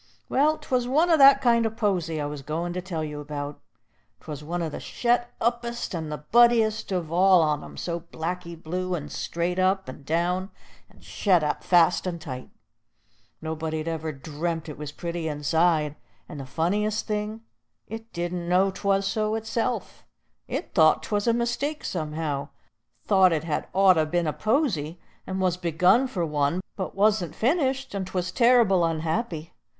"Well, 'twas one o' that kind o' posy I was goin' to tell you about. 'Twas one o' the shet uppest and the buddiest of all on 'em, all blacky blue and straight up and down, and shet up fast and tight. Nobody'd ever dream't was pretty inside. And the funniest thing, it didn't know 'twas so itself! It thought 'twas a mistake somehow, thought it had oughter been a posy, and was begun for one, but wasn't finished, and 'twas terr'ble unhappy.